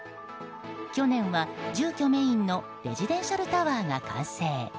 去年は住居メインのレジデンシャルタワーが完成。